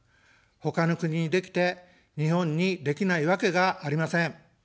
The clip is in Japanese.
他の国にできて、日本にできないわけがありません。